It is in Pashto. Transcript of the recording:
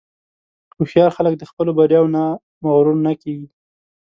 هوښیار خلک د خپلو بریاوو نه مغرور نه کېږي.